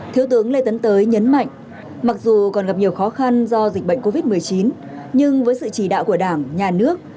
thiếu tướng lê tấn tới nhấn mạnh mặc dù còn gặp nhiều khó khăn do dịch bệnh covid một mươi chín nhưng với sự chỉ đạo của đảng nhà nước